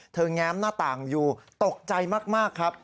แง้มหน้าต่างอยู่ตกใจมากครับ